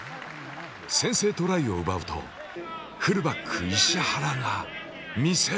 先制トライを奪うとフルバック石原が魅せる。